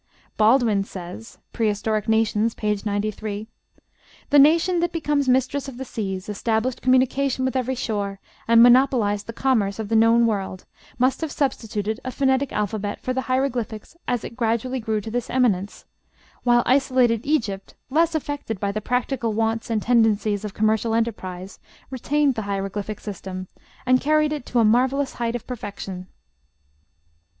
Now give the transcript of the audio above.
Baldwin says ("Prehistoric Nations," p. 93): "The nation that became mistress of the seas, established communication with every shore, and monopolized the commerce of the known world, must have substituted a phonetic alphabet for the hieroglyphics as it gradually grew to this eminence; while isolated Egypt, less affected by the practical wants and tendencies of commercial enterprise, retained the hieroglyphic system, and carried it to a marvellous height of perfection."